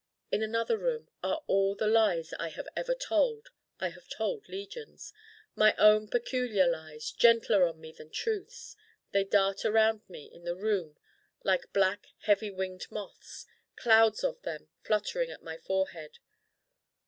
In another Room are all the lies I have ever told: I have told legions my own peculiar lies, gentler on me than truths: they dart around me in the Room like black heavy winged moths, clouds of them fluttering at my forehead.